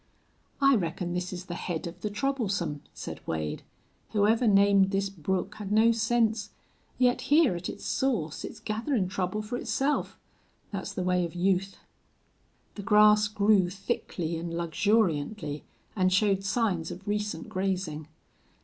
"I reckon this's the head of the Troublesome," said Wade. "Whoever named this brook had no sense.... Yet here, at its source, it's gatherin' trouble for itself. That's the way of youth." The grass grew thickly and luxuriantly and showed signs of recent grazing.